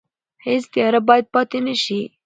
هیڅ تیاره باید پاتې نه شي.